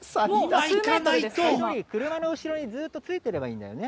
車の後ろにずっとついてればいいんだよね。